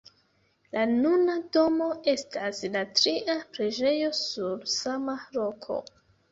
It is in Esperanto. La nuna domo estas la tria preĝejo sur sama loko.